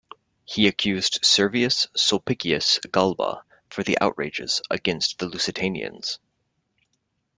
He accused Servius Sulpicius Galba for the outrages against the Lusitanians.